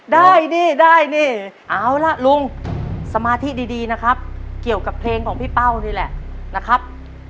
ได้นี่ได้นี่เอาล่ะลุงสมาธิดีนะครับเกี่ยวกับเพลงของพี่เป้านี่แหละนะครับ